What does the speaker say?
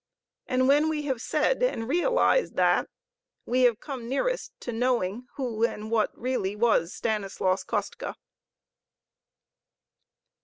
And when we have said and realized that, we have come nearest to knowing who and what really was Stanislaus Kostka.